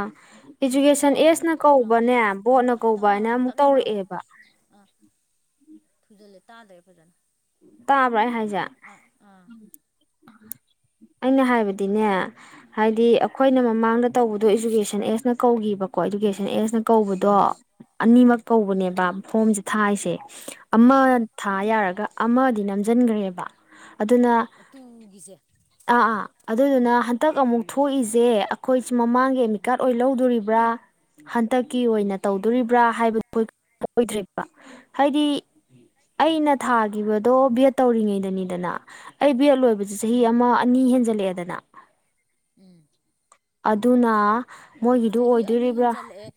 ꯑ ꯍꯧꯖꯤꯛꯀꯤꯗꯣ ꯏꯖꯨꯀꯦꯁꯟ ꯑꯦꯖꯅ ꯑꯥ ꯀꯧꯕꯅꯦ ꯕꯣꯠꯅ ꯇꯞꯅ ꯀꯧꯕꯅ ꯉꯥꯡꯉꯣ ꯑꯃꯨꯛ ꯇꯞꯅ ꯉꯥꯡꯉꯣ ꯇꯧꯔꯛꯑꯦꯕ ꯑꯥ ꯊꯨꯖꯤꯜꯂꯦ ꯇꯥꯗ꯭ꯔꯦ ꯐꯖꯅ ꯇꯥꯕ꯭ꯔꯥ ꯑꯩ ꯍꯥꯏꯖꯦ ꯑꯥ ꯑꯥ ꯑꯩꯅ ꯍꯥꯏꯕꯗꯤꯅꯦ ꯍꯥꯏꯗꯤ ꯎꯝ ꯑꯩꯈꯣꯏꯅ ꯃꯃꯥꯡꯗ ꯇꯧꯕꯗꯣ ꯏꯖꯨꯀꯦꯁꯟ ꯑꯦꯖꯅ ꯀꯧꯈꯤꯕꯀꯣ ꯏꯗꯨꯀꯦꯁꯟ ꯑꯦꯖꯅ ꯀꯧꯕꯗꯣ ꯎꯝ ꯑꯅꯤꯃꯛ ꯀꯧꯕꯅꯦꯕ ꯐꯣꯝꯁꯦ ꯊꯥꯢꯁꯦ ꯑꯃ ꯑꯥ ꯊꯥ ꯌꯥꯔꯒ ꯑꯃꯗꯤ ꯅꯝꯁꯤꯟꯈ꯭ꯔꯦꯕ ꯑꯗꯨꯅ ꯑꯇꯨꯒꯤꯁꯦ ꯑꯥ ꯑꯥ ꯎꯝ ꯑꯗꯨꯗꯨꯅ ꯍꯟꯇꯛ ꯑꯃꯨꯛ ꯊꯣꯛꯏꯁꯦ ꯑꯩꯈꯣꯏꯁꯨ ꯃꯃꯥꯡꯒꯤ ꯑꯦꯃꯤꯀꯥꯔꯠ ꯑꯣꯏ ꯂꯧꯗꯣꯔꯤꯕ꯭ꯔꯥ ꯍꯟꯇꯛꯀꯤ ꯑꯣꯏꯅ ꯇꯧꯗꯣꯔꯤꯕ꯭ꯔꯥ ꯍꯥꯏꯕꯗꯨ ꯑꯣꯏꯗ꯭ꯔꯕ ꯍꯥꯏꯗꯤ ꯑꯩꯅ ꯊꯥꯒꯦ ꯈꯤꯕꯗꯣ ꯕꯦꯠ ꯇꯧꯔꯤꯉꯩꯗꯅꯤꯗꯅ ꯑꯩ ꯕꯦꯠ ꯂꯣꯏꯕꯁꯦ ꯆꯍꯤ ꯎꯝ ꯑꯃ ꯑꯅꯤ ꯍꯦꯟꯖꯜꯂꯛꯑꯦ ꯗꯅ ꯎꯝ ꯑꯗꯨꯅ ꯃꯣꯏꯒꯤꯗꯨ ꯆꯍꯤ ꯑꯅꯤ ꯑꯣꯏꯗꯣꯔꯤꯕ꯭ꯔꯥ ꯍꯦꯟꯖꯜꯂꯛꯑꯦ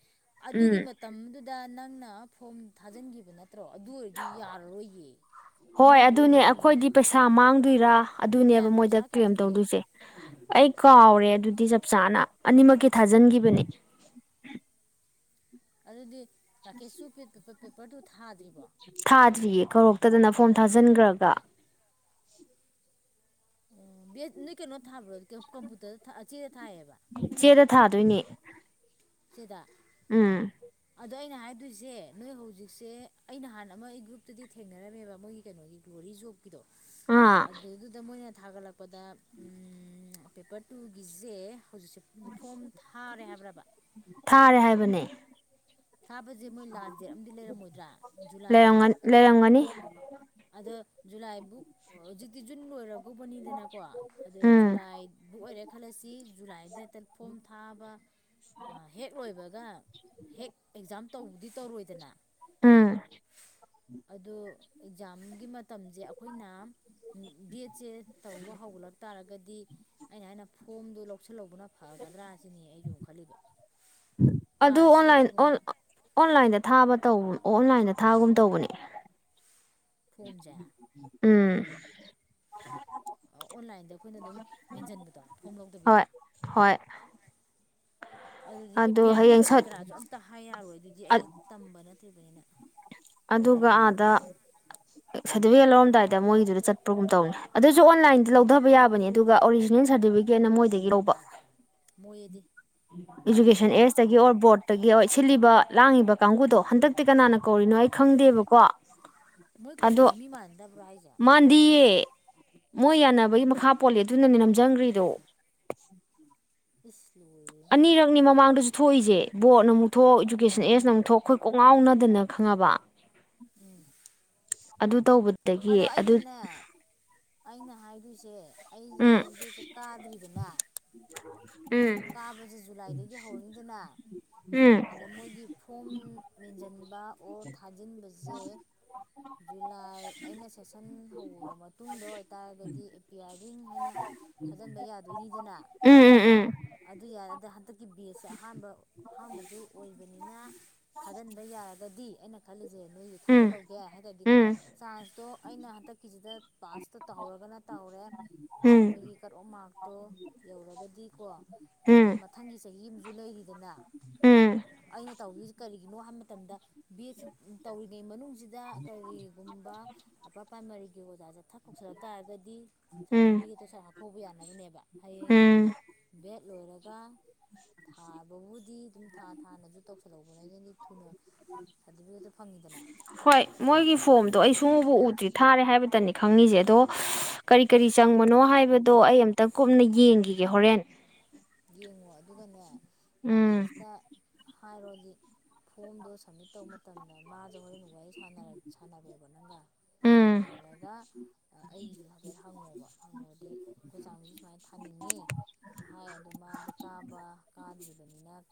ꯑꯗꯨꯒꯤ ꯎꯝ ꯃꯇꯝꯗꯨꯗ ꯅꯪꯅ ꯐꯣꯝ ꯊꯥꯖꯤꯟꯈꯤꯕ ꯅꯠ ꯇ꯭ꯔꯣ ꯑꯗꯨ ꯑꯣꯏꯔꯗꯤ ꯌꯥꯔꯔꯣꯏꯌꯦ ꯍꯣꯏ ꯑꯅꯧꯕ ꯑꯗꯨꯅꯦ ꯑꯣꯏꯔꯝꯗꯣꯏꯌꯦ ꯑꯈꯣꯏꯗꯤ ꯄꯩꯁꯥ ꯃꯥꯡꯗꯣꯏꯔꯥ ꯀꯌꯥ ꯑꯗꯨꯅꯦꯕ ꯃꯣꯏꯗ ꯄꯩꯁꯥ ꯀꯌꯥ ꯀ꯭ꯂꯦꯝ ꯆꯤꯡꯒꯦ ꯇꯧꯗꯣꯏꯖꯦ ꯑꯩ ꯀꯥꯎꯔꯦ ꯑꯗꯨꯗꯤ ꯆꯞ ꯆꯥꯅ ꯑꯅꯤꯃꯛꯀꯤ ꯊꯥꯖꯟꯒꯤꯕꯅꯦ ꯑꯗꯨꯗꯤ ꯔꯥꯀꯦꯁꯁꯨ ꯄꯦ ꯄꯦ ꯄꯦꯄꯔ ꯗꯨ ꯊꯥꯗ꯭ꯔꯤ ꯊꯥꯗ꯭ꯔꯤꯌꯦ ꯀꯧꯔꯛꯇꯗꯅ ꯐꯣꯝ ꯊꯥꯖꯟꯒ꯭ꯔꯒ ꯑꯣ ꯕꯦꯗ ꯅꯣꯏ ꯀꯅꯣ ꯊꯥꯕ꯭ꯔꯣ [unintelligible] ꯀꯝꯄꯨꯇꯔꯗ ꯊꯥ ꯆꯦ ꯆꯦꯗ ꯊꯥꯗꯣꯏꯅꯦ ꯆꯦꯗ ꯎꯝ ꯑꯗꯣ ꯑꯩꯅ ꯍꯥꯏꯗꯣꯏꯁꯦ ꯅꯣꯏ ꯍꯧꯖꯤꯛꯁꯦ ꯑꯩꯅ ꯅꯍꯥꯟ ꯑꯃ ꯑꯩ ꯒ꯭ꯔꯨꯞꯇꯗꯤ ꯊꯦꯡꯅꯔꯝꯃꯦꯕ ꯃꯣꯏꯒꯤ ꯀꯅꯣꯒꯤ ꯒ꯭ꯂꯣꯔꯤ ꯖꯨ ꯀꯤꯗꯣ ꯑꯥ ꯑꯗꯩꯗꯨꯗ ꯃꯣꯏꯅ ꯊꯥꯒꯠꯂꯛꯄꯗ ꯎꯝ ꯄꯦꯄꯔ ꯇꯨꯒꯤꯖꯦ ꯍꯧꯖꯤꯛꯁꯦ ꯐꯣꯝ ꯊꯥꯔꯦ ꯍꯥꯏꯕ꯭ꯔꯕ ꯊꯥꯔꯦ ꯍꯥꯏꯕꯅꯦ ꯊꯥꯕꯖꯦ ꯃꯣꯏ ꯂꯥꯁ ꯗꯦꯠ ꯑꯃꯗꯤ ꯂꯩꯔꯝꯃꯣꯏꯗ꯭ꯔꯥ ꯖꯨꯂꯥꯏ ꯂꯩꯔꯝꯒꯅꯤ ꯑꯗ ꯖꯨꯂꯥꯏꯕꯨꯛ ꯍꯧꯖꯤꯛꯇꯤ ꯖꯨꯟ ꯂꯣꯏꯔ ꯕꯧꯕꯅꯤꯗꯅꯀꯣ ꯑꯗꯨ ꯎꯝ ꯖꯨꯂꯥꯏꯕꯨꯛ ꯑꯣꯏꯔꯦ ꯈꯜꯂꯁꯤ ꯖꯨꯂꯥꯏꯗ ꯍꯦꯛꯇ ꯐꯣꯝ ꯊꯥꯕ ꯑꯥ ꯍꯦꯛ ꯂꯣꯏꯕꯒ ꯍꯦꯛ ꯑꯦꯛꯖꯥꯝ ꯇꯧꯗꯤ ꯇꯧꯔꯣꯏꯗꯅ [unintelligible] ꯑꯗꯣ ꯑꯦꯛꯖꯥꯝꯒꯤ ꯃꯠ ꯇꯝꯖꯦ ꯑꯈꯣꯏꯅ ꯕꯤ ꯑꯦꯠꯁꯦ ꯇꯧꯕ ꯍꯧꯒꯠꯂꯛ ꯇꯥꯔꯒꯗꯤ ꯑꯩꯅ ꯍꯥꯏꯅ ꯐꯣꯝꯗꯣ ꯂꯧꯁꯜꯍꯧꯕꯅ ꯐꯒꯗ꯭ꯔꯥ ꯁꯤꯅꯤ ꯑꯩꯖꯨꯝ ꯈꯜꯂꯤꯕ ꯑꯗꯨ ꯄꯥꯁꯇꯣ ꯑꯣꯟꯂꯥꯏꯟ ꯀꯩꯒꯨꯝꯕ ꯑꯣꯟ ꯑꯣꯟꯂꯥꯏꯟꯗ ꯊꯥꯕ ꯇꯧ ꯑꯣꯟꯂꯥꯏꯟꯗ ꯊꯥꯕꯒꯨꯝ ꯇꯧꯕꯅꯦ ꯐꯣꯝꯁꯦ ꯎꯝ ꯑꯣꯟꯂꯥꯏꯟꯗ ꯑꯈꯣꯏꯅ ꯑꯗꯨꯝ ꯃꯦꯟꯖꯟꯕꯗꯣ ꯐꯣꯝ ꯍꯣꯏ ꯂꯧꯗꯕꯤꯗ ꯍꯣꯏ ꯑꯗꯨꯗꯤ ꯑꯗꯨ ꯑꯦꯄ꯭ꯌꯥꯔꯤꯡ ꯍꯌꯦꯡ ꯀꯔꯤ ꯁꯠ ꯀꯔꯥꯖꯨ ꯑꯝꯇ ꯍꯥꯏ ꯌꯥꯔꯣꯏ ꯑꯗꯨꯗꯤ ꯑꯩꯗꯤ ꯇꯝꯕ ꯅꯠꯇ꯭ꯔꯤꯝꯅꯤꯅ ꯑꯗꯨꯒ ꯑꯥꯗ ꯁꯥꯔꯇꯤꯕꯤꯀꯦꯠ ꯂꯧꯔꯝ ꯗꯥꯏꯗ ꯃꯣꯏꯒꯤꯗꯨꯗ ꯆꯠꯄꯒꯨꯝ ꯇꯧꯕꯅꯤ ꯑꯗꯨꯖꯨ ꯑꯣꯟꯂꯥꯏꯟꯗ ꯂꯧꯗꯕ ꯌꯥꯕꯅꯤ ꯑꯗꯨꯒ ꯑꯣꯔꯤꯖꯤꯅꯦꯜ ꯁꯥꯔꯇꯤꯕꯤꯀꯦꯠꯅ ꯃꯣꯏꯗꯒꯤ ꯂꯧꯕ ꯃꯣꯏꯑꯗꯤ ꯏꯖꯨꯀꯦꯁꯟ ꯑꯦꯖꯇꯒꯤ ꯑꯣꯔ ꯕꯣꯔꯗꯇꯒꯤ ꯑꯣꯏ ꯁꯤꯜꯂꯤꯕ ꯂꯥꯡꯉꯤꯕ ꯀꯥꯡꯒꯨꯗꯣ ꯍꯟꯗꯛꯇꯤ ꯀꯅꯥꯅ ꯀꯧꯔꯤꯅꯣ ꯑꯩ ꯈꯪꯗꯦꯕꯀꯣ ꯃꯣꯏ ꯑꯗꯣ ꯀꯧꯕꯖꯨ ꯃꯤ ꯃꯥꯟꯅꯗꯕ꯭ꯔꯥ ꯍꯥꯏꯖꯦ ꯃꯥꯟꯗꯤꯌꯦ ꯃꯥꯟꯅꯩꯌꯦ ꯃꯣꯏ ꯌꯥꯅꯕꯒꯤ ꯃꯈꯥ ꯄꯣꯜꯂꯦ ꯑꯗꯨꯅꯅꯦ ꯅꯝꯖꯟꯒ꯭ꯔꯤꯗꯣ ꯏꯁ ꯂꯣꯏꯔꯦꯍꯦ ꯑꯅꯤꯔꯛꯅꯤ ꯃꯃꯥꯡꯗꯖꯨ ꯊꯣꯛꯏꯖꯦ ꯕꯣꯔꯠꯅ ꯑꯃꯨꯛ ꯊꯣꯛ ꯏꯗꯨꯨꯀꯦꯁꯟ ꯑꯦꯁꯅ ꯑꯃꯨꯛ ꯊꯣꯛ ꯈꯣꯏ ꯀꯣꯛ ꯉꯥꯎꯅꯗꯅ ꯈꯪꯉꯕ [inaudible] ꯑꯗꯨ ꯇꯧꯕꯗꯒꯤ ꯑꯗꯣ ꯑꯗꯨ ꯑꯩꯅꯅꯦ ꯑꯩꯅ ꯍꯥꯏꯗꯣꯏꯁꯦ ꯑꯩꯖꯦ ꯎꯝ ꯕꯦꯗꯁꯦ ꯀꯥꯗ꯭ꯔꯤꯗꯅ ꯎꯝ ꯀꯥꯕꯖꯦ ꯖꯨꯂꯥꯏꯗꯒꯤ ꯍꯧꯔꯅꯤꯗꯅ ꯎꯝ ꯑꯗ ꯃꯣꯏꯒꯤ ꯐꯣꯝ ꯃꯦꯟꯖꯟꯕ ꯑꯣꯔ ꯊꯥꯖꯤꯟꯕꯖꯦ ꯖꯨꯂꯥꯏ ꯑꯩꯅ ꯁꯦꯁꯟ ꯍꯧꯔꯕ ꯃꯇꯨꯡꯗ ꯑꯣꯏꯇꯥꯔꯒꯗꯤ ꯑꯦꯄꯤꯌꯥꯔꯤꯡ ꯍꯥꯏꯅ ꯊꯥꯖꯟꯕ ꯌꯥꯗꯣꯏꯅꯤꯗꯅ ꯎꯝ ꯑꯗꯨ ꯌꯥ ꯗ ꯗꯤ ꯍꯟꯗꯛꯀꯤ ꯕꯦꯁꯁꯦ ꯑꯍꯥꯟꯕ ꯑꯍꯥꯟꯕꯖꯨ ꯑꯣꯏꯕꯅꯤꯅ ꯊꯥꯖꯟꯕ ꯌꯥꯔꯒꯗꯤ ꯑꯩꯅ ꯈꯜꯂꯤ ꯖꯦ ꯅꯣꯏꯒꯤ ꯎꯝ ꯊꯥꯖꯤꯜꯂꯧꯒꯦ ꯍꯥꯏꯇꯥꯗꯤ ꯎꯝ ꯎꯝ ꯆꯥꯟꯁꯇꯣ ꯑꯩꯅ ꯍꯟꯇꯛꯀꯤꯖꯤꯗ ꯄꯥꯁꯇꯣ ꯇꯧꯍꯧꯔꯒꯅ ꯇꯧꯔꯦ ꯎꯝ ꯃꯣꯏꯒꯤ ꯀꯠ ꯑꯣꯐ ꯃꯥꯔꯛꯇꯣ ꯌꯧꯔꯒꯗꯤꯀꯣ ꯎꯝ ꯑꯗꯨꯒ ꯃꯊꯪꯒꯤ ꯆꯍꯤ ꯑꯝꯖꯨ ꯂꯩꯔꯤꯗꯅ ꯎꯝ ꯑꯩꯅ ꯇꯧꯗꯣꯏꯖꯤ ꯀꯔꯤꯒꯤꯅꯣ ꯍꯥꯏꯕ ꯃꯇꯝꯗ ꯕꯤ ꯑꯦꯗꯁꯦ ꯇꯧꯔꯤꯉꯩ ꯃꯅꯨꯡꯖꯤꯗ ꯀꯔꯤꯒꯨꯝ ꯨꯕ ꯑꯞꯄꯔ ꯄ꯭ꯔꯥꯏꯃꯥꯔꯤꯒꯤ ꯑꯣꯖꯥꯖꯦ ꯊꯛ ꯀꯧꯁꯜꯂꯛ ꯇꯥꯔꯒꯗꯤ ꯎꯝ ꯁꯥꯔꯗꯤꯐꯤꯀꯦꯠꯇꯣ ꯁꯠ ꯍꯥꯞꯐꯧꯕ ꯌꯥꯅꯕꯅꯦꯕ ꯍꯌꯦꯡ ꯎꯝ ꯕꯦꯠ ꯂꯣꯏꯔꯒ ꯊꯥꯕꯕꯨꯗꯤ ꯑꯗꯨꯝ ꯊꯥ ꯊꯥꯅꯁꯨ ꯇꯧꯁꯤꯜꯍꯧꯕ ꯅꯗꯤ ꯊꯨꯅ ꯁꯥꯔꯗꯤꯐꯤꯀꯦꯠꯇꯣ ꯐꯪꯉꯤꯗꯅ ꯍꯣꯏ ꯃꯣꯏꯒꯤ ꯐꯣꯝꯗꯣ ꯑꯩ ꯁꯨꯛꯎꯕꯨ ꯎꯗ꯭ꯔꯤ ꯊꯥꯔꯦ ꯍꯥꯏꯕꯇꯅꯤ ꯈꯪꯉꯤꯁꯦ ꯑꯗꯣ ꯀꯔꯤ ꯀꯔꯤ ꯆꯪꯕꯅꯣ ꯍꯥꯏꯕꯗꯣ ꯑꯩ ꯑꯝꯇ ꯀꯨꯞꯅ ꯌꯦꯡꯈꯤꯒꯦ ꯍꯣꯔꯦꯟ ꯌꯦꯡꯉꯣ ꯑꯗꯨꯒꯅꯦ ꯎꯝ ꯔꯥꯀꯦꯁꯇ ꯍꯥꯏꯔꯣꯗꯤ ꯐꯣꯝꯗꯣ ꯁꯝꯃꯤꯠ ꯇꯧꯕ ꯃꯇꯝꯗ ꯃꯥꯖꯨ ꯍꯣꯔꯦꯟ ꯋꯥꯔꯤ ꯁꯥꯟꯅꯔꯛ ꯁꯥꯟꯅꯔꯣꯕ ꯅꯪꯒ ꯎꯝ ꯁꯥꯅꯔꯒ ꯑꯩꯒꯤꯁꯨ ꯍꯥꯏꯐꯦꯠ ꯍꯪꯉꯣꯕ ꯍꯪꯉꯣꯗꯤ ꯑꯩꯈꯣꯏ ꯆꯌꯥꯝꯁꯨ ꯁꯨꯃꯥꯏꯅ ꯊꯥꯅꯤꯡꯉꯤ ꯍꯥꯏ ꯃꯥꯗꯨ ꯀꯥꯕ ꯀꯥꯗ꯭ꯔꯤꯕꯅꯤꯅ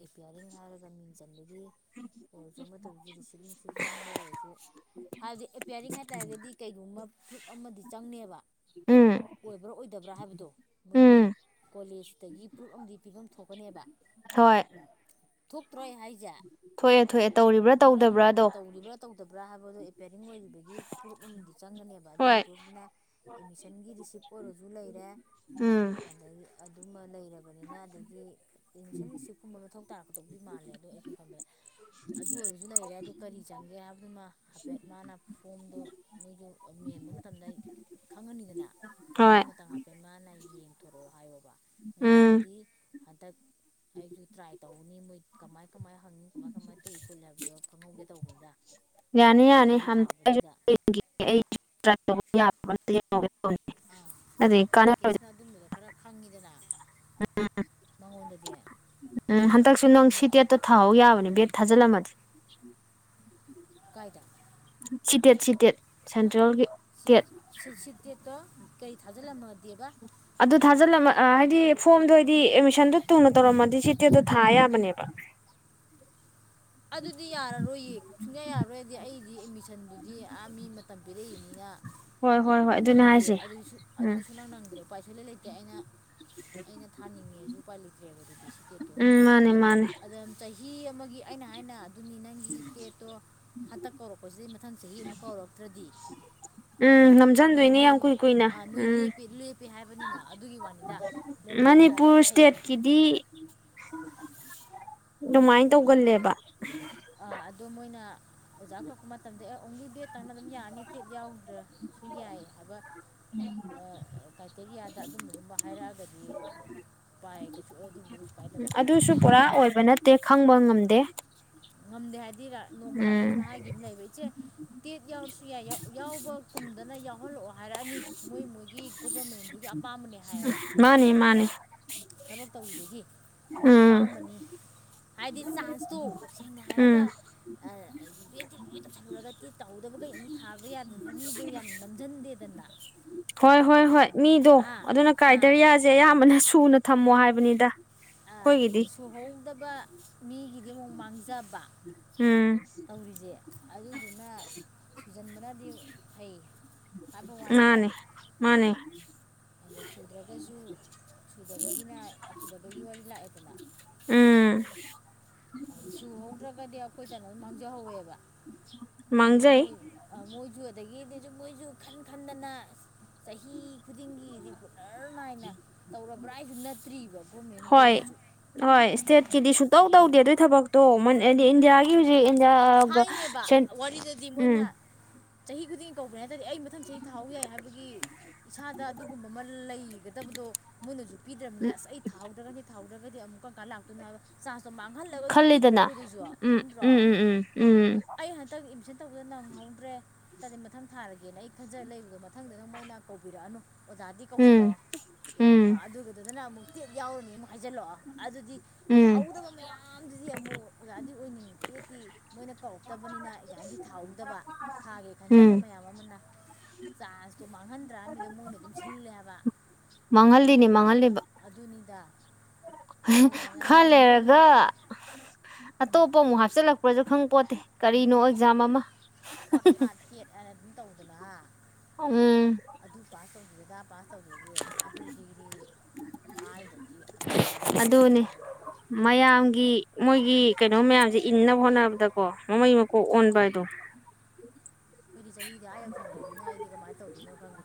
ꯑꯦꯄ꯭ꯌꯥꯔꯤꯡ ꯍꯥꯏꯔꯒ ꯃꯤꯡ ꯆꯟꯕꯒꯤ ꯑꯣꯏꯔꯁꯨ ꯑꯃ ꯇꯧꯔꯁꯨ ꯔꯤꯁꯤꯞ ꯅꯨꯡꯁꯤꯞ ꯆꯪꯕ ꯑꯣꯏꯔꯁꯨ ꯍꯥꯏꯕꯗꯤ ꯑꯦꯄꯤꯌꯥꯔꯤꯡ ꯍꯥꯏꯇꯥꯥꯔꯒꯗꯤ ꯀꯩꯒꯨꯝꯕ ꯄ꯭ꯔꯨꯞ ꯑꯃꯗꯤ ꯆꯪꯅꯦꯕ ꯎꯝ ꯑꯣꯏꯕ꯭ꯔꯥ ꯑꯣꯏꯗꯕ꯭ꯔꯥ ꯍꯥꯏꯕꯗꯣ ꯎꯝ ꯃꯣꯏꯒꯤ ꯀꯣꯂꯦꯖꯇꯒꯤ ꯄ꯭ꯔꯨꯞ ꯑꯃꯗꯤ ꯄꯤꯐꯝ ꯊꯣꯛꯀꯅꯦꯕ ꯍꯣꯏ ꯊꯣꯛ ꯇ꯭ꯔꯣ ꯑꯩꯅ ꯍꯥꯏꯖꯦ ꯊꯣꯛꯑꯦ ꯊꯣꯛꯑꯦ ꯇꯧꯔꯤꯕ꯭ꯔꯥ ꯃꯔꯝ ꯇꯧꯗꯕ꯭ꯔꯥꯗꯣ ꯇꯧꯔꯤꯕ꯭ꯔꯥ ꯇꯧꯗꯕ꯭ꯔꯥ ꯍꯥꯏꯕꯗꯣ ꯑꯦꯄꯦꯛ ꯔꯤꯡ ꯑꯣꯏꯔꯤꯕꯒꯤ ꯄ꯭ꯔꯨꯞ ꯑꯃꯗꯤ ꯆꯪꯒꯅꯦꯕ ꯑꯗꯨꯒꯤ ꯍꯣꯏ ꯄ꯭ꯔꯨꯨꯞꯇꯨꯅ ꯑꯦꯠꯃꯤꯁꯟꯒꯤ ꯔꯤꯁꯤꯞ ꯑꯣꯏꯔꯁꯨ ꯂꯩꯔꯦ ꯎꯝ ꯑꯗꯩ ꯑꯗꯨꯃ ꯂꯩ ꯂꯩꯔꯕꯅꯤꯅ ꯑꯗꯒꯤ ꯑꯦꯗꯃꯤꯁꯟ ꯔꯤꯁꯤꯞꯀꯨꯝꯕ ꯃꯊꯧ ꯇꯥꯔꯛꯀꯗꯧꯕꯗꯤ ꯃꯥꯜꯂꯦ ꯑꯗꯣ ꯑꯩ ꯁꯨꯝ ꯈꯟꯕꯗ ꯑꯗꯨ ꯑꯣꯏꯔꯁꯨ ꯂꯩꯔꯦ ꯑꯗꯨ ꯀꯔꯤ ꯆꯪꯒꯦ ꯍꯥꯏꯕꯗꯨꯃ ꯍꯥꯏꯐꯦꯠ ꯃꯥꯅ ꯐꯣꯝꯗꯣ ꯃꯤꯖꯨ ꯃꯦꯟꯕ ꯍꯥꯏ ꯃꯇꯝꯗ ꯑꯩ ꯈꯪꯉꯅꯤꯗꯅ ꯍꯣꯏ ꯑꯗꯨꯃꯇꯪ ꯍꯥꯏꯐꯦꯠ ꯃꯥꯅ ꯌꯦꯡꯊꯣꯔꯛꯑꯣ ꯍꯥꯏꯌꯣ ꯀ ꯎꯝ ꯑꯗꯨꯢꯇꯥꯥꯔꯒꯗꯤ ꯍꯟꯗꯛ ꯑꯩꯁꯨ ꯇ꯭ꯔꯥꯏ ꯇꯧꯅꯤ ꯃꯣꯏ ꯀꯃꯥꯏꯅ ꯀꯃꯥꯏꯅ ꯍꯪꯅꯤ ꯀꯃꯥꯏ ꯀꯃꯥꯏꯅ ꯇꯨꯏ ꯈꯣꯠꯂꯤ ꯍꯥꯏꯕꯗꯣ ꯈꯪꯍꯧꯒꯦ ꯇꯧꯕꯅꯤꯗ ꯌꯥꯅꯤ ꯌꯥꯅꯤ ꯅꯣꯏ ꯑꯝꯇ ꯑꯩꯁꯨ ꯊꯥꯕꯗꯨꯗ ꯌꯦꯡꯈꯤꯒꯦ ꯑꯩ ꯇ꯭ꯔꯥꯢ ꯇꯧꯕ ꯌꯥꯕ꯭ꯔꯥ ꯑꯝꯇ ꯌꯦꯡ [unintelligible] ꯑꯗꯩ ꯀꯥꯟꯅꯔꯣꯢꯗ ꯍꯪꯉꯤꯗꯅ ꯎꯝ ꯎꯝ ꯍꯟꯗꯛꯁꯨ ꯅꯪ ꯁꯤ ꯑꯩꯉꯣꯟꯗ ꯇꯦꯠꯇꯣ ꯊꯥꯍꯧ ꯌꯥꯕꯅꯦ ꯕꯦꯠ ꯊꯥꯖꯜꯂꯝꯃꯒꯦ ꯀꯥꯏꯗ ꯁꯤꯇꯦꯠ ꯁꯤ ꯇꯦꯠ ꯁꯦꯟꯇ꯭ꯔꯦꯜꯒꯤ ꯁꯤ ꯇꯦꯠ ꯁꯤ ꯁꯤꯇꯦꯠꯇꯣ ꯀꯩ ꯊꯥꯖꯜꯂꯝꯃꯒꯦꯕ ꯑꯗꯨ ꯊꯥꯖꯜꯂꯝꯃ ꯍꯥꯏꯗꯤ ꯐꯣꯝꯗꯣ ꯍꯥꯏꯗꯤ ꯑꯦꯗꯃꯤꯁꯟꯗꯣ ꯊꯨꯅ ꯇꯧꯔꯝꯃꯗꯤ ꯁꯤꯇꯦꯠꯇꯣ ꯊꯥ ꯌꯥꯕꯅꯦꯕ [inaudible] ꯑꯗꯨꯗꯤ ꯌꯥꯔꯔꯣꯏꯌꯦ ꯁꯨꯡꯌꯥ ꯌꯥꯔꯔꯣꯏꯗꯤ ꯑꯩꯗꯤ ꯑꯦꯠꯃꯤꯁꯟꯗꯨꯗꯤ ꯃꯤ ꯃꯇꯝ ꯄꯤꯔꯛꯏꯅꯤꯅ ꯍꯣꯢ ꯅꯪꯗꯦ ꯑꯗꯨꯁꯨ ꯑꯗꯨꯗꯤ ꯁꯨꯅꯪ ꯅꯪꯗ꯭ꯔꯦ ꯎꯄꯥꯏ ꯁꯨꯡꯂꯩ ꯂꯩꯇꯦ ꯑꯩꯅ ꯑꯩꯅ ꯊꯥꯅꯤꯡꯉꯦꯁꯨ ꯎꯄꯥꯏ ꯂꯩꯇ꯭ꯔꯦꯕ ꯑꯗꯨꯗꯤ ꯁꯤꯄꯦꯠꯇꯣ ꯎꯝ ꯃꯥꯅꯦ ꯃꯥꯅꯦ ꯑꯗ ꯆꯍꯤ ꯃꯤ ꯑꯃꯒꯤ ꯑꯩꯅ ꯍꯥꯏꯅ ꯑꯗꯨꯅꯤ ꯅꯪꯒꯤ ꯇꯦꯠꯇꯣ ꯍꯟꯇꯛ ꯀꯧꯔꯛꯄꯁꯤꯗꯩ ꯃꯊꯪ ꯆꯍꯤ ꯑꯃꯨꯛ ꯀꯧꯔꯛꯇ꯭ꯔꯗꯤ ꯎꯝ ꯅꯝꯖꯟꯗꯣꯏꯅꯦ ꯌꯥꯝ ꯀꯨꯏ ꯀꯨꯏꯅ ꯎꯝ ꯄꯦ ꯍꯥꯏꯕꯅꯤꯅ ꯑꯗꯨꯒꯤ ꯋꯥꯅꯤꯗ ꯃꯅꯤꯄꯨꯔ ꯂꯦꯞꯊꯣꯛꯈ꯭ꯔꯒꯗꯤ ꯍꯌꯦꯡ ꯏꯁꯇꯦꯠꯀꯤꯗꯤ ꯑꯗꯨꯃꯥꯏꯅ ꯇꯧꯒꯜꯂꯦꯕ ꯑꯥ ꯑꯗꯣ ꯃꯣꯏꯅ ꯑꯣꯖꯥ ꯀꯧꯔꯛꯄ ꯃꯇꯝꯗ ꯑꯦ ꯑꯣꯡꯂꯤ ꯕꯦꯠ ꯇꯪꯅ ꯑꯗꯨꯝ ꯌꯥꯔꯅꯤ ꯇꯦꯠ ꯌꯥꯎꯗ꯭ꯔꯦ ꯁꯨ ꯌꯥꯏ ꯍꯥꯏꯕ ꯑ ꯀ꯭ꯔꯥꯏꯇꯦꯔꯤꯌꯥꯗ ꯑꯗꯨꯝꯕꯒꯨꯝꯕ ꯍꯥꯏꯔꯛꯑꯒꯗꯤ ꯄꯥꯏ ꯀꯩꯁꯨ ꯑ ꯑꯗꯨꯕꯧꯗꯤ ꯀꯩꯁꯨ ꯀꯥꯢ ꯎꯝ ꯑꯗꯨꯁꯨ ꯄꯨꯔꯥ ꯑꯣꯏꯕ ꯅꯠꯇꯦ ꯈꯪꯕ ꯉꯝꯗꯦ ꯉꯝꯗꯦ ꯍꯥꯏꯗꯤ ꯔ ꯅꯣꯡꯃ ꯎꯝ ꯔꯥꯀꯦꯁꯅ ꯍꯥꯏꯈꯤꯕꯃ ꯂꯩꯕ ꯏꯆꯦ ꯇꯦꯠ ꯌꯥꯎꯔꯁꯨ ꯌꯥꯏ ꯌꯥꯎꯕ ꯀꯨꯝꯗꯅ ꯌꯥꯎꯍꯜꯂꯛꯑꯣ ꯍꯥꯏꯔꯛꯑꯅꯤ ꯃꯣꯏ ꯃꯣꯏꯒꯤ ꯒꯣꯕꯔꯃꯦꯟꯗꯨꯒꯤ ꯀꯄꯥꯝꯕꯅꯦ ꯍꯥꯏꯌꯦꯕ ꯃꯥꯅꯤ ꯃꯥꯅꯤ ꯊꯕꯛ ꯇꯧꯔꯤꯗꯨꯒꯤ ꯑꯄꯥꯝꯕꯅꯤ ꯍꯥꯏꯗꯤ ꯆꯥꯟꯁꯇꯣ ꯁꯦꯡꯅ ꯍꯥꯏꯔꯒꯥ ꯎꯝ ꯑꯥ ꯕꯦꯗꯇꯤ ꯂꯣꯏ ꯇꯧꯁꯜꯂꯨꯔꯒ ꯇꯦꯠ ꯇꯍꯧꯗꯕꯒꯩ ꯑꯃꯨꯛ ꯊꯥꯕ ꯌꯥꯗꯗꯤ ꯃꯤꯗꯣ ꯌꯥꯝ ꯅꯝꯖꯟꯗꯦꯗꯅꯥ ꯍꯣꯏ ꯍꯣꯏ ꯍꯣꯏ ꯃꯤꯗꯣ ꯑꯗꯨꯅ ꯑꯥ ꯀ꯭ꯔꯥꯏꯇꯔꯤꯌꯥꯖꯦ ꯑꯌꯥꯝꯕꯅ ꯁꯨꯅ ꯊꯝꯃꯣ ꯍꯥꯏꯕꯅꯤꯗꯥ ꯑꯥ ꯁꯨꯍꯧꯗꯕ ꯃꯤꯒꯤꯗꯤ ꯑꯃꯨꯛ ꯃꯥꯡꯖ ꯕꯥ ꯎꯝ ꯇꯧꯔꯤꯖꯦ ꯑꯗꯨꯗꯨꯅ ꯁꯨꯖꯟꯕꯅꯗꯤ ꯐꯩ ꯍꯥꯏꯕ ꯋꯥꯅꯤꯗ ꯃꯥꯟꯅꯦ ꯃꯥꯟꯅꯦ ꯑꯗꯣ ꯁꯨꯗ꯭ꯔꯒꯖꯨ ꯁꯨꯗꯕꯒꯤꯅ ꯁꯨꯗꯕꯒꯤ ꯋꯥꯔꯤ ꯂꯥꯛꯑꯦꯗꯅꯥ [inaudible] ꯎꯝ ꯁꯨꯍꯧꯗ꯭ꯔꯒꯗꯤ ꯑꯈꯣꯏꯗ ꯂꯣꯏ ꯃꯥꯡꯖꯍꯧꯋꯦꯕꯥ ꯑꯗꯨ ꯃꯥꯡꯖꯩ ꯃꯣꯏ ꯑ ꯃꯣꯏꯖꯨ ꯑꯗꯒꯤꯗꯤꯖꯨ ꯃꯣꯏꯖꯨꯨ ꯈꯟ ꯈꯟꯗꯅ ꯆꯍꯤ ꯈꯨꯗꯤꯡꯒꯤ ꯔꯤꯒꯨꯂꯔ ꯅꯥꯏꯅ ꯇꯧꯔꯕ꯭ꯔꯥ ꯍꯥꯏꯖꯨ ꯅꯠꯇ꯭ꯔꯤꯕ ꯒꯣꯃꯦꯟꯅ ꯍꯣꯏ ꯇꯩꯖꯤ [inaudible] ꯍꯣꯏ ꯁ꯭ꯇꯦꯠꯀꯤꯗꯤ ꯁꯨꯛꯇꯧ ꯇꯧꯗꯦ ꯑꯗꯨꯏ ꯊꯕꯛꯇꯣ ꯃꯣꯏꯟ ꯏꯟꯗꯤꯌꯥꯒꯤ ꯍꯧꯖꯤꯛ ꯌꯥ ꯒ ꯊꯥꯏꯅꯦꯕ ꯁꯦꯟ ꯋꯥꯔꯤꯗꯗꯤ ꯎꯝ ꯃꯣꯏꯅ ꯆꯍꯤ ꯈꯨꯗꯤꯡꯒꯤ ꯀꯧꯒ꯭ꯔꯦ ꯑꯗꯨꯗꯤ ꯑꯩ ꯃꯊꯪ ꯆꯍꯤ ꯊꯥꯍꯧ ꯌꯥꯏ ꯍꯥꯏꯕꯒꯤ ꯏꯁꯥꯗ ꯑꯗꯨꯒꯨꯝꯕ ꯑꯃ ꯂꯩꯒꯗꯕꯗꯣ ꯃꯣꯏꯅꯖꯨ ꯄꯤ ꯄꯤꯗ꯭ꯔꯝꯅꯤꯅ ꯑꯁ ꯑꯩ ꯊꯥꯍꯧꯗ꯭ꯔꯒ ꯅꯦ ꯊꯍꯧꯗ꯭ꯔꯒꯗꯤ ꯑꯃꯨꯛ ꯀꯝꯀꯥꯟ ꯂꯥꯛꯇꯣꯏꯅꯣ ꯍꯥꯏꯕ ꯆꯥꯟꯁꯇꯣ ꯃꯥꯡꯍꯜꯂꯒ ꯑꯗꯨꯝ ꯄꯤꯗ꯭ꯔꯣ ꯈꯜꯂꯤꯗꯅ ꯑꯈꯣꯏꯗꯖꯨ ꯎꯝ ꯈꯟꯗ꯭ꯔꯣ ꯎꯝ ꯎꯝ ꯎꯝ ꯅꯪ ꯑꯦꯗꯃꯤꯁꯟ ꯇꯧꯕꯗ ꯅꯪꯍꯧꯗ꯭ꯔꯦ ꯇꯥꯔꯗꯤ ꯃꯊꯪ ꯊꯥꯔꯒꯦꯅ ꯑꯩ ꯈꯟꯖꯔ ꯂꯩꯕꯗꯣ ꯃꯊꯪꯗ ꯅ ꯃꯣꯏꯅ ꯀꯧꯕꯤꯔꯛꯑꯅꯨ ꯑꯣꯖꯥꯗꯤ ꯎꯝ ꯎꯝ ꯀꯧꯁꯜꯂꯛꯑꯣ ꯎꯝ ꯑꯗꯨꯗꯨꯗꯅ ꯑꯃꯨꯛ ꯇꯦꯠ ꯌꯥꯎꯔꯅꯤ ꯑꯃꯨꯛ ꯍꯥꯏꯖꯜꯂꯛꯑꯣ ꯑꯗꯨꯗꯤ ꯎꯝ ꯊꯥꯍꯧꯗꯕ ꯃꯌꯥꯝꯗꯨꯗꯤ ꯑꯃꯨꯛ ꯑꯣꯖꯥꯗꯤ ꯑꯣꯏꯅꯤꯡꯏ ꯇꯦꯠꯇꯤ ꯃꯣꯏꯅ ꯀꯧꯔꯛꯇꯕꯅꯤꯅ ꯑꯦꯛꯖꯥꯝꯖꯤ ꯊꯥꯍꯧꯗꯕ ꯊꯥꯒꯦ ꯎꯝ ꯈꯟꯖꯕ ꯃꯌꯥꯝ ꯑꯃ ꯅ ꯆꯥꯟꯁꯇꯣ ꯃꯥꯡꯍꯟꯗ꯭ꯔꯥ ꯃꯤꯗ ꯃꯣꯏꯅ ꯑꯗꯨꯝ ꯁꯤꯜꯂꯦ ꯍꯥꯏꯕ ꯃꯥꯡꯍꯜꯂꯤꯅꯤ ꯃꯥꯡꯍꯜꯂꯤꯕ ꯗꯨꯅꯤꯗ ꯈ ꯂꯩꯔꯒ ꯎꯝ, ꯑꯇꯣꯞꯄ ꯑꯃꯨꯛ ꯍꯥꯞꯆꯜꯂꯛꯄ꯭ꯔꯖꯨ ꯈꯪꯄꯣꯠꯇꯦ ꯀꯔꯤꯅꯣ ꯑꯦꯛꯖꯥꯝ ꯑꯃ ꯐꯣꯠ [unintelligible] ꯐꯥꯠ ꯐꯦꯠ ꯍꯥꯏꯅ ꯑꯗꯨꯝ ꯇꯧꯗꯅ ꯎꯝ ꯑꯗꯨ ꯄꯥꯁ ꯇꯧꯗꯦ ꯑꯗꯥ ꯄꯥꯁ ꯇꯧꯗꯖꯨ ꯑꯗꯨ ꯗꯤꯒ꯭ꯔꯤ ꯄꯥꯏꯗ꯭ꯔꯗꯤ ꯑꯗꯥ ꯑꯗꯨꯅꯦ ꯇꯧꯗ꯭ꯔꯗꯤꯑꯅ ꯃꯌꯥꯝꯒꯤ ꯃꯣꯏꯒꯤ ꯀꯩꯅꯣ ꯃꯌꯥꯝꯖꯦ ꯏꯟꯅꯕ ꯍꯣꯠꯅꯕꯗꯀꯣ ꯃꯃꯩ ꯃꯀꯣꯛ ꯑꯣꯟꯕꯗꯣ ꯑꯈꯣꯏꯗꯤ ꯆꯍꯤꯗꯤ ꯑꯥ ꯌꯧꯁꯟꯒ꯭ꯔꯝꯅꯤꯅ ꯑꯩꯗꯤ ꯀꯃꯥꯏꯟ ꯇꯧꯗꯣꯏꯅꯣ ꯈꯪꯗꯦ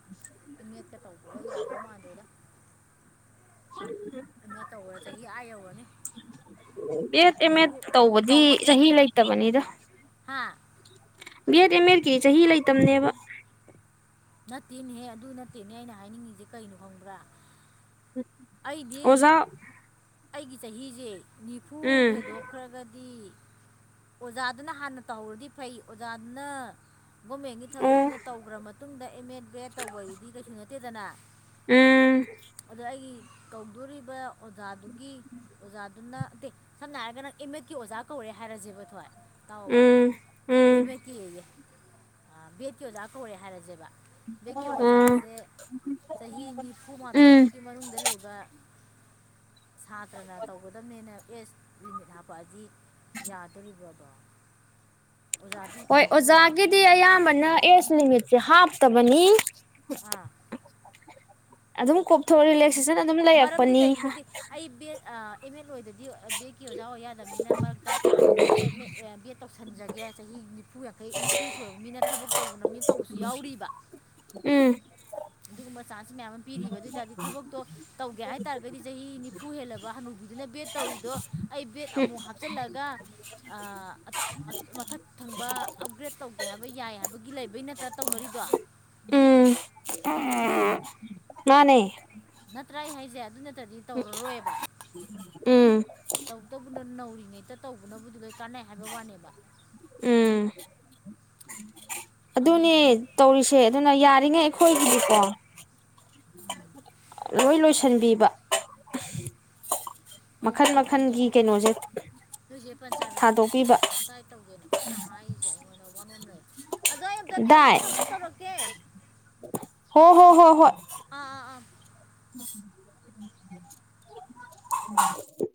ꯑꯦ ꯃꯦꯗ ꯀ ꯇꯧꯕꯒ ꯌꯥꯗꯧ ꯃꯥꯥꯟꯗꯦꯗ ꯑꯦ ꯃꯦꯗ ꯇꯧꯕꯗ ꯆꯍꯤ ꯑꯥ ꯌꯧꯒ꯭ꯔꯅꯤ ꯕꯦꯗ ꯑꯦꯝ ꯑꯦꯗ ꯇꯧꯕꯗꯤ ꯆꯍꯤ ꯂꯩꯇꯕꯅꯤꯗ ꯍꯥ ꯕꯤ ꯑꯦꯗ ꯑꯦꯝ ꯑꯦꯗꯀꯤ ꯆꯍꯤ ꯂꯩꯇꯝꯅꯦꯕ ꯅꯠꯇꯦꯅꯦꯍꯦ ꯑꯗꯨ ꯅꯠꯇꯦꯅꯦ ꯑꯩꯅ ꯍꯥꯏꯅꯤꯡꯉꯤꯖꯦ ꯀꯩꯅꯣ ꯈꯪꯕ꯭ꯔꯥ ꯑꯩꯗꯤ ꯑꯣꯖꯥ ꯑꯩꯒꯤ ꯆꯍꯤꯖꯦ ꯅꯤꯐꯨ ꯎꯝ ꯍꯦꯟꯗꯣꯛꯈ꯭ꯔꯒꯗꯤ ꯑꯣꯖꯥꯗꯨꯅ ꯍꯥꯟꯅ ꯇꯍꯧꯔꯗꯤ ꯐꯩ ꯑꯣꯖꯥꯗꯨꯅ ꯒꯣꯃꯦꯟꯒꯤ ꯑꯣ ꯊꯕꯛꯇꯨꯅ ꯇꯧꯒ꯭ꯔ ꯃꯇꯨꯡꯗ ꯑꯦꯝ ꯑꯦꯗ ꯕꯦꯗ ꯇꯧꯕꯗꯨꯗꯤ ꯀꯩꯁꯨ ꯅꯠꯇꯦꯗꯅ ꯎꯝ ꯑꯗꯣ ꯑꯩꯒꯤ ꯀꯧꯗꯣꯔꯤꯕ ꯑꯣꯖꯥꯗꯨ ꯒꯤ ꯑꯣꯖꯥꯗꯨꯅ ꯇꯦ ꯁꯝꯅ ꯍꯥꯏꯔꯒ ꯅꯪ ꯑꯦꯝ ꯑꯦꯗꯀꯤ ꯑꯣꯖꯥ ꯀꯧꯔꯦ ꯍꯥꯏꯔꯖꯦꯕ ꯊꯣꯏ ꯇꯥꯎꯑꯣꯕ ꯎꯝ ꯑꯦ ꯎꯝ ꯑꯦꯝ ꯑꯦꯗ ꯀꯤ ꯑꯌꯦ ꯑꯥ ꯕꯦꯗꯀꯤ ꯑꯣꯖꯥ ꯀꯧꯔꯦ ꯍꯥꯏꯔꯖꯦꯕ ꯕꯦꯗꯀꯤ ꯎꯝ ꯑꯣꯖꯥꯖꯦ ꯆꯍꯤ ꯎꯝ ꯅꯤꯐꯨꯃꯥꯊꯣꯏꯕꯣꯛꯀꯤ ꯃꯅꯨꯡꯗ ꯂꯩ ꯒ ꯁꯥꯇ꯭ꯔꯅ ꯇꯧꯒꯗꯝꯅꯦꯅ ꯑꯦꯁ ꯂꯤꯃꯤꯠ ꯍꯥꯄꯛꯑꯗꯤ ꯌꯥꯗꯣꯔꯤꯕ꯭ꯔꯗꯣ ꯍꯣꯏ ꯀꯧꯅꯤ ꯑꯣꯖꯥꯒꯤꯗꯤ ꯑꯌꯥꯝꯕꯅ ꯑꯦꯖ ꯂꯤꯃꯤꯠꯆꯦ ꯍꯥꯞꯇꯕꯅꯤ ꯑꯥ ꯑꯗꯨꯝ ꯀꯣꯛ ꯊꯣ ꯔꯤꯂꯦ ꯃꯔꯝꯗꯤ ꯀꯩꯒꯤꯅꯣꯗꯤ ꯑꯩ ꯕꯦꯗ ꯑꯥ ꯑꯦꯝ ꯃꯦꯗ ꯂꯣꯏꯗ ꯕꯦꯗꯀꯤ ꯑꯣꯖꯥ ꯑꯣꯏ ꯌꯥꯗꯝꯅꯤꯅ ꯃꯔꯛꯇ ꯑꯃꯨꯛ ꯑꯦꯗ ꯃꯦꯗ ꯕꯦꯗ ꯇꯧꯁꯟꯖꯒꯦ ꯆꯍꯤ ꯅꯤꯐꯨ ꯗꯩ ꯅꯤꯐꯨ ꯁꯨꯔꯕ ꯃꯤꯅ ꯊꯕꯛ ꯇꯧ ꯃꯤꯅ ꯇꯧꯕꯁꯨ ꯌꯥꯎꯔꯤꯕ ꯎꯝ ꯑꯗꯨ ꯆꯥꯟꯁ ꯃꯌꯥꯝ ꯑꯃ ꯄꯤꯔꯤꯕ ꯑꯗꯨ ꯑꯣꯏ ꯇꯥꯥꯔꯗꯤ ꯊꯕꯛꯇꯣ ꯇꯧꯒꯦ ꯍꯥꯏꯇꯥꯥꯔꯒꯗꯤ ꯆꯍꯤ ꯅꯤꯐꯨ ꯍꯦꯜꯂꯕ ꯍꯟꯅꯨꯕꯤꯗꯨꯅ ꯕꯦꯗ ꯇꯧ ꯔꯤꯗꯣ ꯑꯩ ꯕꯦꯗ ꯑꯃꯨꯛ ꯍꯥꯞꯆꯜꯂꯛꯑꯒ ꯑꯥ ꯑ ꯃꯊꯛ ꯊꯪꯕ ꯑꯞꯒ꯭ꯔꯦꯗ ꯇꯧꯒꯦ ꯍꯥꯏꯕ ꯌꯥꯏ ꯍꯥꯏꯕꯒꯤ ꯂꯩꯕꯩ ꯅꯠꯇ꯭ꯔꯥ ꯇꯧꯅꯔꯤ ꯗꯣ [unintelligible] ꯃꯥꯟꯅꯦ ꯅꯠꯇ꯭ꯔ ꯑꯩ ꯍꯥꯏꯖꯦ ꯑꯗꯨ ꯅ ꯇꯗꯤ ꯇꯧꯔꯔꯣꯏꯕ ꯎꯝ ꯇꯧꯇꯕꯨꯅ ꯅꯧꯔꯤꯉꯩꯗ ꯇꯧꯕꯅꯕꯨꯗꯤ ꯂꯣꯏ ꯀꯥꯟꯅꯩ ꯍꯥꯏꯕ ꯋꯥꯅꯦꯕ ꯎꯝ ꯑꯗꯨꯅ ꯑꯗꯨꯅꯦ ꯅꯣꯏ ꯇꯧꯔꯤꯁꯦ ꯑꯗꯨꯅ ꯌꯥꯔꯤꯉꯩ ꯑꯩꯈꯣꯏꯒꯤꯗꯤꯀꯣ ꯂꯣꯏ ꯂꯣꯏꯁꯟꯕꯤꯕ ꯃꯈꯜ ꯃꯈꯟꯒꯤ ꯀꯩꯅꯣꯖꯦ ꯅꯣꯏꯆꯦ ꯄꯟꯆꯅ ꯗꯥꯥꯏꯠ ꯇꯧꯒꯦꯅ ꯀꯟꯅ ꯍꯥꯏꯔꯤꯀꯣ ꯑꯩꯉꯣꯟꯗ ꯋꯥꯅꯣꯝ ꯂꯩꯔꯦ ꯑꯗꯣ ꯑꯩ ꯑꯝꯇ ꯑꯃꯨꯛ ꯗꯥꯏ ꯊꯃ ꯇꯧꯔꯛꯀꯦ ꯍꯣ ꯍꯣ ꯍꯣ ꯍꯣꯏ ꯑꯥ ꯑꯥ ꯑꯥ [unintelligible]